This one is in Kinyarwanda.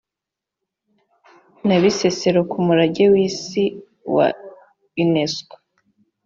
na bisesero ku murage w’isi wa unesco